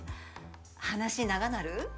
話長なる？